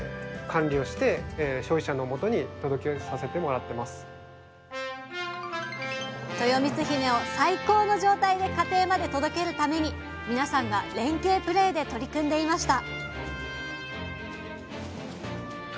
そのためですねとよみつひめを最高の状態で家庭まで届けるために皆さんが連携プレーで取り組んでいました